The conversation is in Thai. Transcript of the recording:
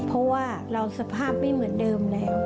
เพราะว่าเราสภาพไม่เหมือนเดิมแล้ว